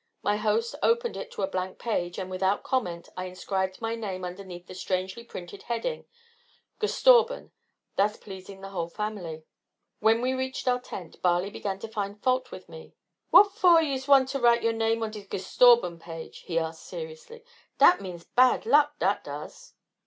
My host opened it to a blank page, and, without comment, I inscribed my name underneath the strangely printed heading Gestorben, thus pleasing the whole family. When we reached our tent, Barley began to find fault with me. "What for did yuse want to write your name on de Gestorben page?" he asked seriously. "Dat means bad luck, dat does."